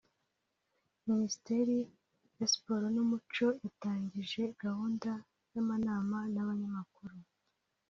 Minisiteri ya Siporo n’Umuco yatangije gahunda y’amanama n’abanyamakuru